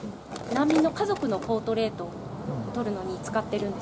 難民の家族のポートレートを撮るのに使ってるんですよ。